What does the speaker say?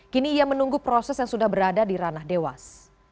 kini ia menunggu proses yang sudah berada di ranah dewas